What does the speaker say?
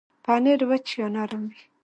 پنېر وچ یا نرم وي.